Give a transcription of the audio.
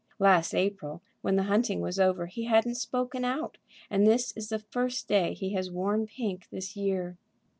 Last April, when the hunting was over, he hadn't spoken out; and this is the first day he has worn pink this year."